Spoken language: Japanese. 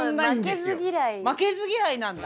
負けず嫌いなんだ。